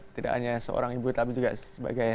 tidak hanya seorang ibu tapi juga sebagai